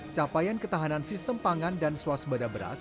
capaian ketahanan sistem pangan dan swasembada beras